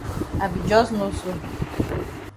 I be jus know so.